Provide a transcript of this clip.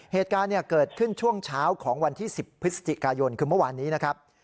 เหตุการณ์เกิดขึ้นช่วงเช้าของวันที่๑๐พฤศจิกายนคือเมื่อวานนี้นะครับ